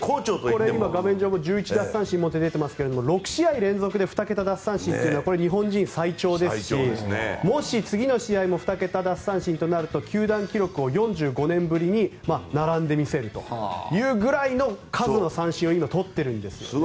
これ今、画面上も１１奪三振と出ていますが６試合連続で２桁奪三振というのはこれは日本人最長ですしもし、次の試合も２桁奪三振となると球団記録に４５年ぶりに並んでみせるというぐらいの数の三振を今、取ってるんですね。